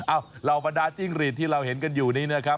เหล่าบรรดาจิ้งหรีดที่เราเห็นกันอยู่นี้นะครับ